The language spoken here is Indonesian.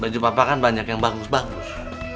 baju papa kan banyak yang bagus bagus